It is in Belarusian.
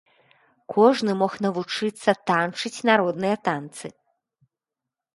Кожны мог навучыцца танчыць народныя танцы.